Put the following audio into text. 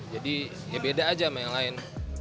jadi ya beda aja sama yang lain